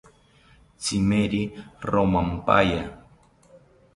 Tzimemeri romampaya